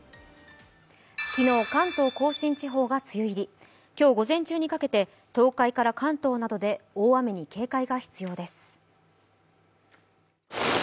昨日、関東甲信地方が梅雨入り、今日午前中にかけて東海から関東に向けて大雨に警戒が必要です。